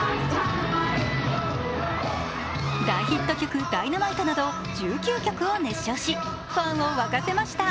大ヒット曲「Ｄｙｎａｍｉｔｅ」など１９曲を熱唱し、ファンを沸かせました。